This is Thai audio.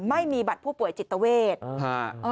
ไม่มีบัตรผู้ป่วยจิตเวท